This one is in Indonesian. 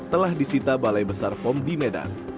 telah disita balai besar pom di medan